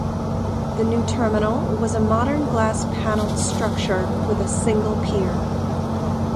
The new terminal was a modern glass paneled structure with a single pier.